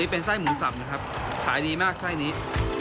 เป็นไส้หมูสับขายดีมากไส้นี้